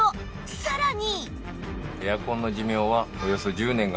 さらに！